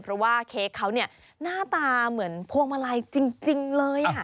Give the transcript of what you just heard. เพราะว่าเค้กเขาเนี่ยหน้าตาเหมือนพวงมาลัยจริงเลย